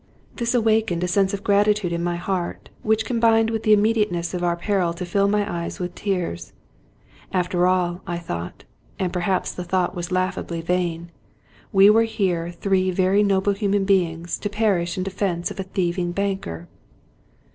This awakened a sense of gratitude in my heart, which combined with the immediateness of our peril to fill my eyes with tears. After all, I thought — ^and perhaps the thought was laughably vain — we were here three very noble human beings to perish in defense of a thieving banker.